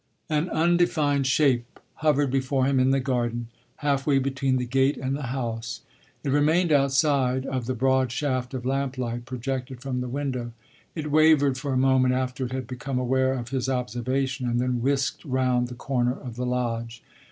An undefined shape hovered before him in the garden, halfway between the gate and the house; it remained outside of the broad shaft of lamplight projected from the window. It wavered for a moment after it had become aware of his observation and then whisked round the corner of the lodge.